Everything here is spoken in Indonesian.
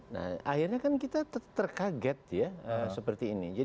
nah akhirnya kan kita terkaget ya seperti ini